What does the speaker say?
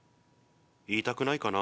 言いたくないかな。